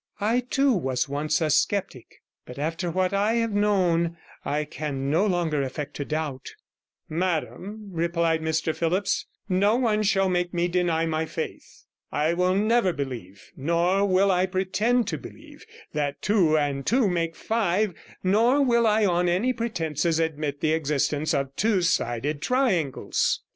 I too was once a sceptic, but after what I have known I can no longer affect to doubt.' 'Madam,' replied Mr Phillipps, 'no one shall make me deny my faith. I will never believe, nor will I pretend to believe, that two and two make five, nor will I on any pretences admit the existence of two sided triangles.'